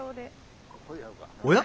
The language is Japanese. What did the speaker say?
おや？